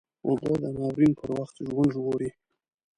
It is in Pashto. اوبه د ناورین پر وخت ژوند ژغوري